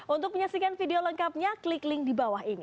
untuk menyaksikan video lengkapnya klik link di bawah ini